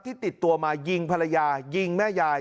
ติดตัวมายิงภรรยายิงแม่ยาย